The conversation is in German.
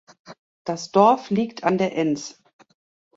Das Dorf liegt an der Ens.